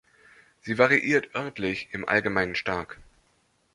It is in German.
Sie variiert örtlich im Allgemeinen stark.